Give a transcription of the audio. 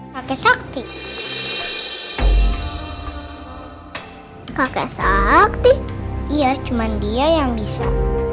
kakek sakti kakek sakti iya cuman dia yang bisa